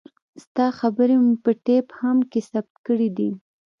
ستا خبرې مو په ټېپ هم کښې ثبت کړې دي.